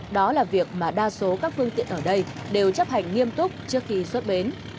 đó là việc mà đa số các phương tiện ở đây đều chấp hành nghiêm túc trước khi xuất bến